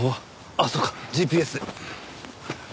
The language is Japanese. あっそうかＧＰＳで。